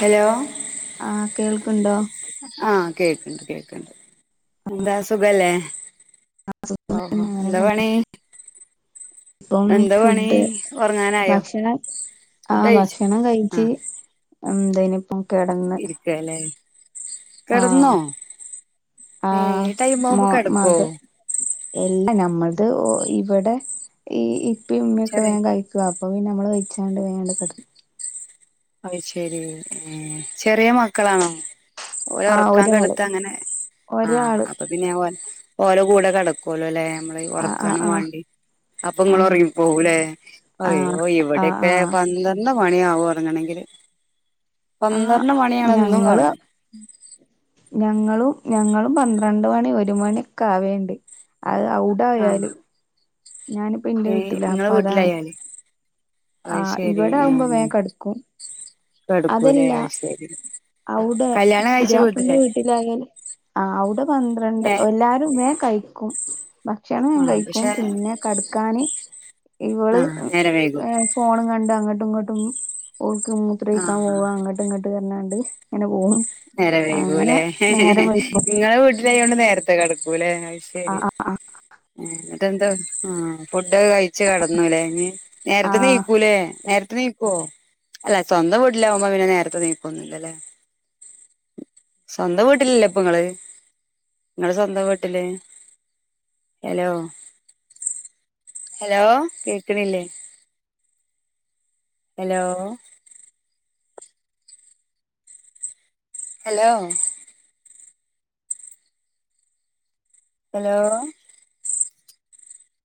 Hello ആഹ് കേൾക്ക്ണ്ടോ ആ കേക്കണ്ട് കേക്കണ്ട് എന്താ സുഖല്ലേ ഓഹോ എന്താപണി ഒന്ന് ഫുഡ് ഒറങ്ങാനായോ ഭക്ഷണം ആ ഫുഡ് കഴിച്ചോ ഭക്ഷണം കഴിച്ച് ഉംഎന്തയ്നിപ്പോ ഇരിക്കാലെ ആഹ ഏഹ് ആഹ ഈ മോ ടൈമാവുമ്പോ കെടക്കോ മത് എല്ലാ നമ്മൾത് ഇവിടെ ഈ ഇപ്പ ഇമ്മൊക്കെ ചെറിയ വേഗ കഴിക്കു അപ്പൊ പിന്ന നമ്മള് കെയ്ച്ചാണ്ട് വേഗം കിട അ ശെരി ചെറിയ മക്കളാണോ ഓല ആഹ് ഉറക്കാൻ ഒരാള് കെടുത്ത അങ്ങനെ ആ ഒരാള് അപ്പൊ പിന്നെഓ ഓലോ കൂടെ കിടക്കല്ലോ അല്ലേ നമ്മള് ആഹ് ആഹ് ഉറക്കാനുംവാണ്ടി അപ്പൊ ഇങ്ങള് ആഹ് ഉറങ്ങി പോകൂലേ ആഹ് ആഹ് അയ്യോ ആഹ് ഇവിടെയൊക്കെ ആഹ് പന്ത്രണ്ട് മണിയാവും ഉറങ്ങണെങ്കില് ആ ഞങ്ങള് ഞങ്ങളും ഞങ്ങളും പന്ത്രണ്ട് മണി ഒരു മണി ഒക്കെ ആവേണ്ട് അത് ഔട് ആഹ് ആയാലും ഞാനിപ്പ എന്റെ ഏ വീട്ടില ഇങ്ങളെ അപ്പൊ അതാണ് വീട്ടിലായാല് അത് ആഹ ശരി ഇവിടെ ഏ ആകുമ്പോ വേ കടുക്കും കെടക്കൂലേ അതല്ല അത് ശരി അവിടെ കല്യാണം കഴിച്ച പുതിയപ്പിളിന്റെ വീട്ടില് വീട്ടിലായാലും ആ അവിടെ പന്ത്രണ്ട് നേ എല്ലരുുംമേ കഴി കും ഭക്ഷണം ഞാൻ ആഹ് കഴിക്കും പക്ഷെ പിന്നെ കടക്കാന് ഇവള് ആഹ് നേരം വൈകും ഫോൺ കണ്ട് അങ്ങോട്ടും ഇങ്ങോട്ടും ൾക്ക് മൂത്ര ഴിക്കാൻ ആഹ് പോകുക അങ്ങോട്ടും ഇങ്ങോട്ട് റഞ്ഞിയാണ്ട് ഇങ്ങനെ പോണ് നേര വൈകൂലേ നിങ്ങളെ വീട്ടിലായോൊണ്ട് നേരത്തെ കിടക്കൂലെ ആ ശരി എന്നിടന്താ ഉംഫുഡ് ഒക്കെ കഴി ഴിച്ചു കിടന്നുലെ നേരത്തെ ആ നീക്കൂലെ നേര നീ ക്കോ അല്ല സ്വന്തം വീടിലാവുമ്പോ പിന്നെ നേരത്തെ നീക്കൊന്നില്ലല്ലേ സ്വന്തം വീട്ടിലല്ലേപ്പൊങ്ങള്. ങ്ങള് സ്വന്തംവീട്ടില് ഹലോ. ഹലോ കേക്കണില്ലേ. ഹലോ. ഹലോ. ഹലോ